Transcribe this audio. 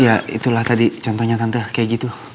ya itulah tadi contohnya contoh kayak gitu